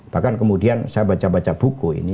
bahkan kemudian saya baca baca buku ini